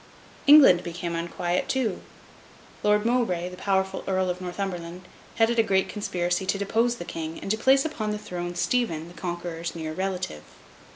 England became unquiet too. Lord Mowbray, the powerful Earl of Northumberland, headed a great conspiracy to depose the King, and to place upon the throne, Stephen, the Conqueror's near relative.